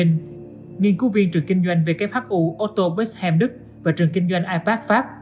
nghiên cứu viên trường kinh doanh vkhu otto besheim đức và trường kinh doanh ipac pháp